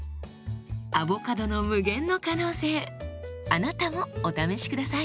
アボカドの無限の可能性あなたもお試し下さい。